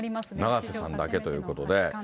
永瀬さんだけということで。